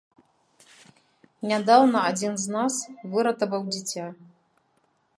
Нядаўна адзін з нас выратаваў дзіця.